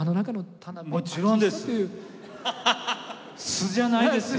素じゃないですね。